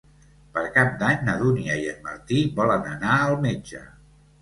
Per Cap d'Any na Dúnia i en Martí volen anar al metge.